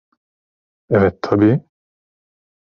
Evet tabii.